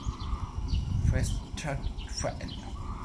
It faces Tathong Channel.